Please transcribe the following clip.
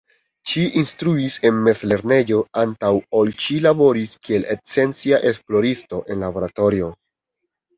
Ŝi instruis en mezlernejo antaŭ ol ŝi laboris kiel scienca esploristo en laboratorio.